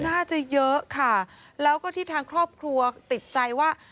น่าจะเยอะค่ะแล้วก็ที่ทางครอบครัวติดใจว่า